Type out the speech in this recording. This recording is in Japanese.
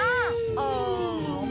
うん！